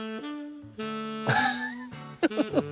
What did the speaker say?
フフフフ。